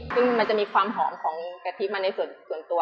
ซึ่งมันจะมีความหอมของกะทิมาในส่วนตัว